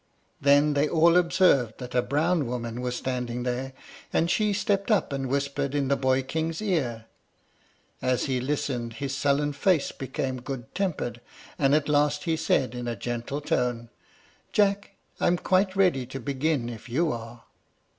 Then they all observed that a brown woman was standing there; and she stepped up and whispered in the boy king's ear. As he listened his sullen face became good tempered, and at last he said, in a gentle tone, "Jack, I'm quite ready to begin if you are."